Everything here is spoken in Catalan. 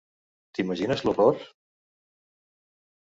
T'imagines l'horror?